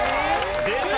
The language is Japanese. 出た！